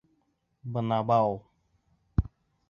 Бынабау!